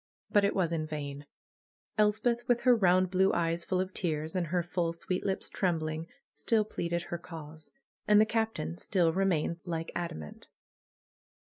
But it was in vain ! Elspeth, with her round blue eyes full of tears, and her full, sweet lips trembling, still pleaded her cause. And the Captain still remained like adamant.